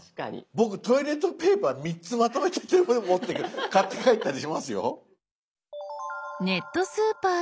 僕トイレットペーパー３つまとめて全部持って買って帰ったりしますよ。